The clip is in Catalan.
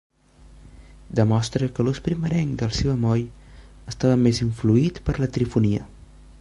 Demostra que l'ús primerenc del si bemoll estava més influït per la trifonia.